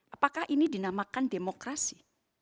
apakah ini dinamakan demokrasi